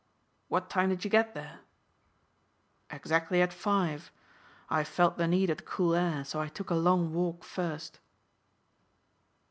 "What time did you get there?" "Exactly at five. I felt the need of the cool air, so I took a long walk first."